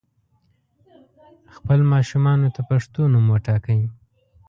خپل ماشومانو ته پښتو نوم وټاکئ